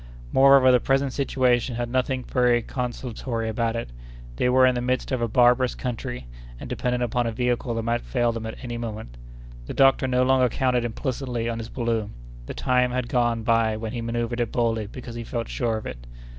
Moreover, the present situation had nothing very consolatory about it. They were in the midst of a barbarous country, and dependent upon a vehicle that might fail them at any moment. The doctor no longer counted implicitly on his balloon; the time had gone by when he manoevred it boldly because he felt sure of it.